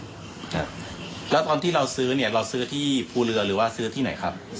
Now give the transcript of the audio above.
ครับแล้วตอนที่เราซื้อเนี่ยเราซื้อที่ภูเรือหรือว่าซื้อที่ไหนครับ